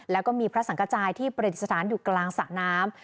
แล้วก็มีพระสังกระจายที่ประดิษฐานอยู่กลางสระน้ำ